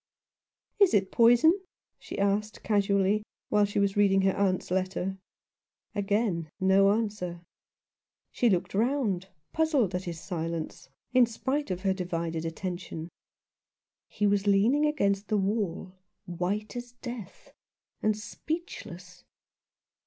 " Is it poison ?" she asked casually, while she was reading her aunt's letter. Again no answer. She looked round, puzzled at his silence, in spite 84 Some One who loved Him. of her divided attention. He was leaning against the wall, white as death, and speechless.